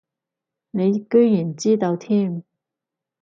你居然知道添